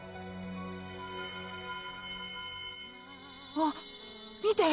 わっ見て！